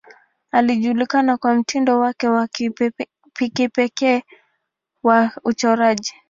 Alijulikana kwa mtindo wake wa kipekee wa uchoraji.